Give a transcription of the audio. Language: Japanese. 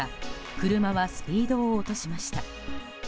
車はスピードを落としました。